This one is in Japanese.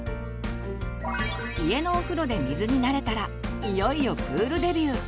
家のお風呂で水に慣れたらいよいよプールデビュー。